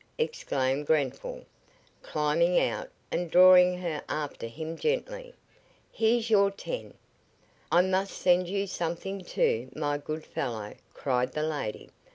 exclaimed Grenfall, climbing out and drawing her after him gently. "Here's your ten." "I must send you something, too, my good fellow," cried the lady.